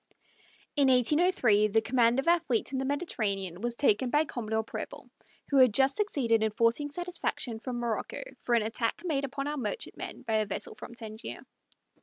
In 1803 the command of our fleet in the Mediterranean was taken by Commodore Preble, who had just succeeded in forcing satisfaction from Morocco for an attack made upon our merchantmen by a vessel from Tangier.